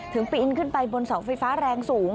ปีนขึ้นไปบนเสาไฟฟ้าแรงสูง